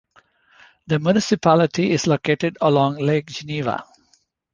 The municipality is located along Lake Geneva.